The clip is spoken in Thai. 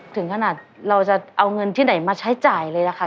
ถึงขนาดเราจะเอาเงินที่ไหนมาใช้จ่ายเลยล่ะค่ะ